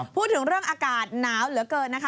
พูดถึงเรื่องอากาศหนาวเหลือเกินนะคะ